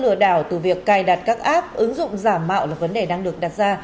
lừa đảo từ việc cài đặt các app ứng dụng giả mạo là vấn đề đang được đặt ra